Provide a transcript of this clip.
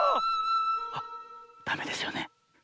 あダメですよね？